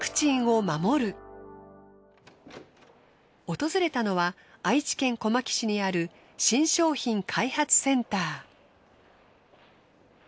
訪れたのは愛知県小牧市にある新商品開発センター。